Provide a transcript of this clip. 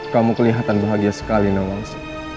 kamu kelihatan bahagia sekali namwans